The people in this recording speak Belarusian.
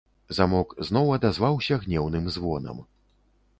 Замок зноў адазваўся гнеўным звонам.